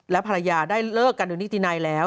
และภรรยาได้เลิกกันโดยนิตินัยแล้ว